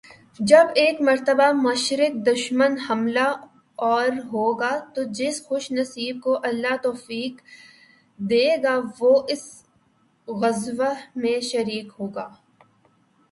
جب ایک مرتبہ مشرک دشمن حملہ آور ہو گا، تو جس خوش نصیب کو اللہ توفیق دے گا وہ اس غزوہ میں شریک ہوگا۔۔